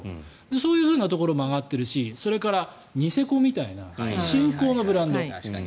そういうところも上がってるしそれからニセコみたいな新興のブランド。